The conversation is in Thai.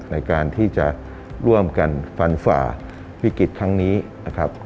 ในการที่จะร่วมกันฟันฝ่าวิกฤตครั้งนี้นะครับ